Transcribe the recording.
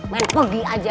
men pergi aja